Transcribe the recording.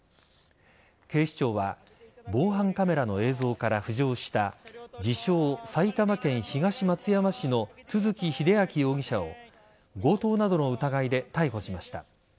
警視庁は防犯カメラの映像から浮上した自称、埼玉県東松山市の都築英明容疑者を強盗などの疑いで逮捕しました。